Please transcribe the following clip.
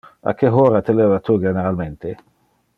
A que hora te leva tu generalmente?